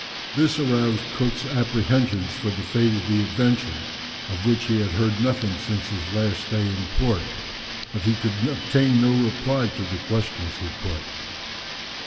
This aroused Cook's apprehensions for the fate of the Adventure, of which he had heard nothing since his last stay in this port, but he could obtain no reply to the questions he put.